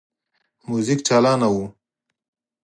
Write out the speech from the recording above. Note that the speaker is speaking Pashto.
موزیک چالانه وو.